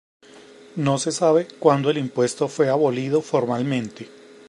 No se sabe cuando el impuesto fue abolido formalmente.